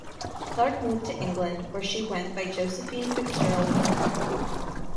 Clarke move to England where she went by Josephine Fitzgerald Moylan.